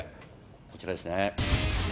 こちらですね。